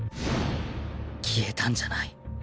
消えたんじゃない。